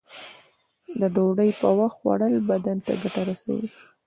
د ډوډۍ په وخت خوړل بدن ته ګټه رسوی.